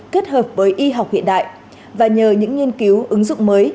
kết hợp với y học hiện đại và nhờ những nghiên cứu ứng dụng mới